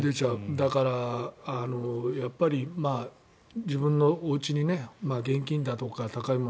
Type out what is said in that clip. だから、自分のおうちに現金だとか高いもの